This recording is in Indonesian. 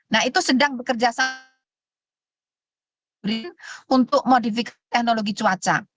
nah itu sedang bekerja sama brin untuk modifikasi teknologi cuaca